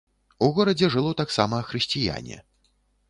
У горадзе жыло таксама хрысціяне.